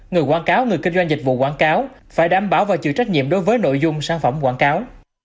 người quảng cáo người kinh doanh dịch vụ quảng cáo phải đảm bảo và chịu trách nhiệm đối với nội dung sản phẩm quảng cáo